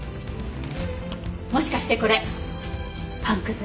もしかしてこれパンくず？